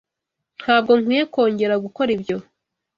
Ntabwo nkwiye kongera gukora ibyo.